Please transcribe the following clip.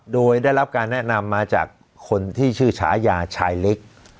โดยได้รับการแนะนำมาจากคนที่ชื่อฉายาชายเล็ก